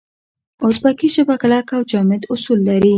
اوزبکي ژبه کلک او جامد اصول لري.